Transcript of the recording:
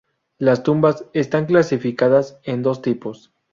Las tumbas están clasificadas en dos tipos.